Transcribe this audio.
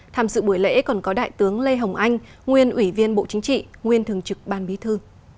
tham dự buổi lễ còn có đại tướng lê hồng anh nguyên ủy viên bộ chính trị nguyên thường trực ban bí thư